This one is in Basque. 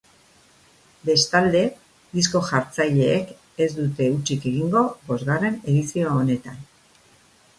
Bestalde, disko-jartzaileek ez dute hutsik egingo bosgarren edizio honetan.